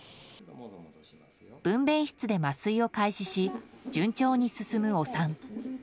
分娩室で麻酔を開始し順調に進むお産。